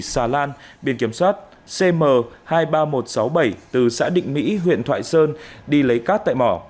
xà lan biên kiểm soát cm hai mươi ba nghìn một trăm sáu mươi bảy từ xã định mỹ huyện thoại sơn đi lấy cát tại mỏ